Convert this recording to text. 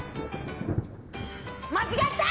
間違った！